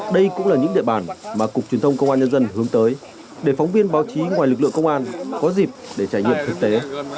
đây cũng là những địa bàn mà cục truyền thông công an nhân dân hướng tới để phóng viên báo chí ngoài lực lượng công an có dịp để trải nghiệm thực tế